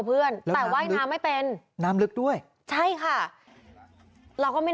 เพื่อนแต่ว่ายน้ำไม่เป็นน้ำลึกด้วยใช่ค่ะเราก็ไม่